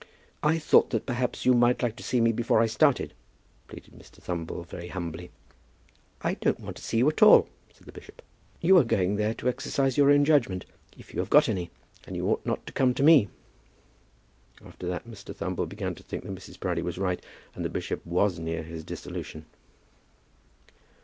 "I thought that perhaps you might like to see me before I started," pleaded Mr. Thumble very humbly. "I don't want to see you at all," said the bishop; "you are going there to exercise your own judgment, if you have got any; and you ought not to come to me." After that Mr. Thumble began to think that Mrs. Proudie was right, and that the bishop was near his dissolution.